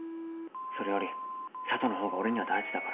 それより佐都の方が俺には大事だから。